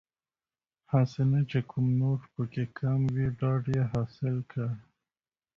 هسې نه چې کوم نوټ پکې کم وي ډاډ یې حاصل کړ.